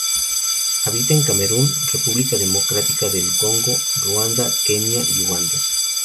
Habita en Camerún, República Democrática del Congo, Ruanda, Kenia y Uganda.